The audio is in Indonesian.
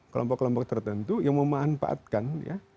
kelompok kelompok tertentu yang memanfaatkan ya